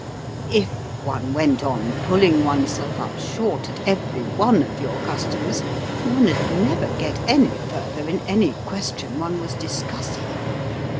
If one went on pulling oneself up short at every one of your customs, one'd never get any further in any question one was discussing.